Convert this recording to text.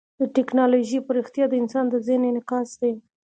د ټیکنالوژۍ پراختیا د انسان د ذهن انعکاس دی.